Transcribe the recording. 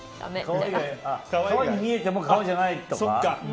革に見えても革じゃないとか？